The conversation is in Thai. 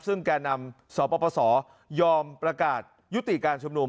ซึ่งแก่นำสปสยอมประกาศยุติการชุมนุม